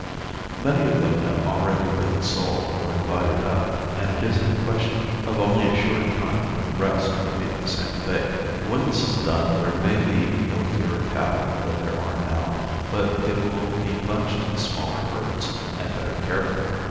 Many of them have already been sold or divided up, and it is a question Of only a short time when the rest will meet the same fate. When this is done there may be no fewer cattle than there are now but they will be bunched in smaller herds and better cared for.